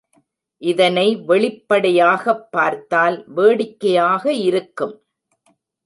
இதனை வெளிப்படையாகப் பார்த்தால் வேடிக்கையாக இருக்கும்.